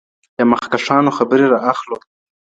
يا مخکښانو خبري را اخلو